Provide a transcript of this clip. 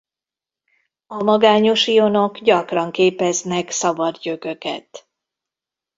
A magányos ionok gyakran képeznek szabad gyököket.